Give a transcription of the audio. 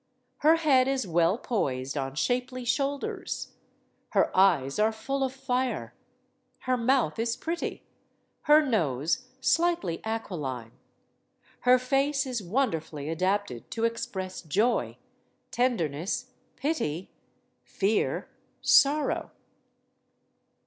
Her head is well poised on shapely shoulders. Her eyes are full of fire; her mouth is pretty; her nose slightly aquiline. Her face is wonderfully adapted to express joy, tenderness, pity, fear, sorrow.